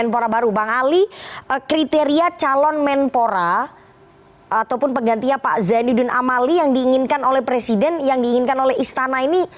penggantinya pak zainuddin amali yang diinginkan oleh presiden yang diinginkan oleh istana ini